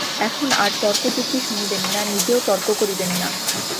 তখন আর তর্কযুক্তি শুনিবেন না, নিজেও তর্ক করিবেন না।